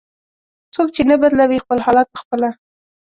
"څوک چې نه بدلوي خپل حالت په خپله".